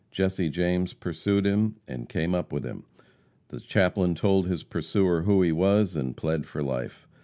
Jesse James pursued him, and came up with him. The chaplain told his pursuer who he was, and plead for life.